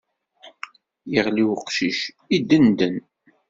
Iɣli uqcic, iddenden.